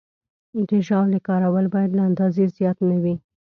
د ژاولې کارول باید له اندازې زیات نه وي.